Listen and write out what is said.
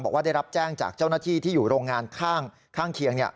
บอกว่าได้รับแจ้งจากเจ้าหน้าที่ที่อยู่โรงงานข้างเคียง